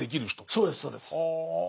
そうですそうです。